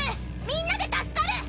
みんなで助かる！